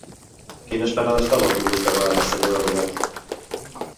Quines parades fa l'autobús que va a Castelló de Rugat?